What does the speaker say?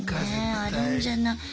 ねえあるんじゃない？